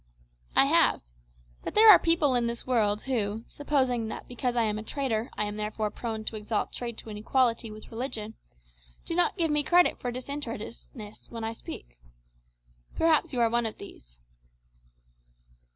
"I have. But there are people in this world who, supposing that because I am a trader I am therefore prone to exalt trade to an equality with religion, do not give me credit for disinterestedness when I speak. Perhaps you are one of these."